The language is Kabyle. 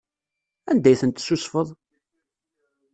Anda ay tent-tessusfeḍ?